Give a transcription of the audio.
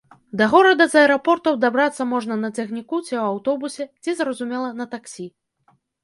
Да горада з аэрапортаў дабрацца можна на цягніку ці аўтобусе і, зразумела, на таксі.